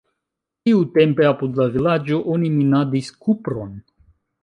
Tiutempe apud la vilaĝo oni minadis kupron.